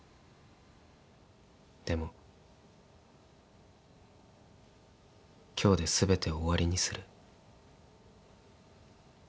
でも今日で全て終わりにする。